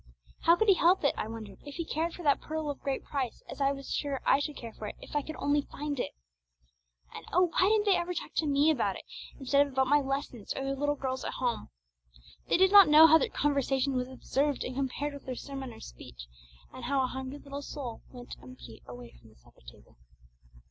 How could he help it, I wondered, if he cared for that Pearl of Great Price as I was sure I should care for it if I could only find it! And oh, why didn't they ever talk to me about it, instead of about my lessons or their little girls at home? They did not know how their conversation was observed and compared with their sermon or speech, and how a hungry little soul went empty away from the supper table.